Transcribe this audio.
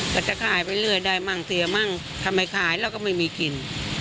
ก็จะขายไปเรื่อยได้มั่งเสียมั่งทำไมขายเราก็ไม่มีกิน